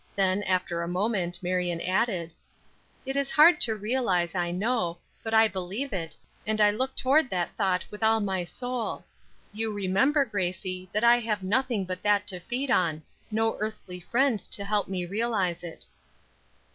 Then, after a moment, Marion added: "It is hard to realize, I know, but I believe it, and I look toward that thought with all my soul. You remember, Gracie, that I have nothing but that to feed on, no earthly friend to help me realize it."